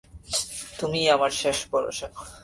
তুমিই আমার শেষ ভরসা।